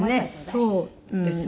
そうです。